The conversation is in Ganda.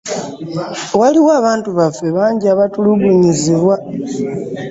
Waliwo abantu baffe bangi abatulugunyizibwa.